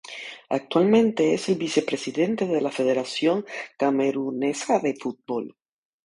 Actualmente es el vicepresidente de la Federación Camerunesa de Fútbol.